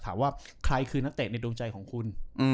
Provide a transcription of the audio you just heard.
ถามว่าใครคือนักเตะในดวงใจของคุณ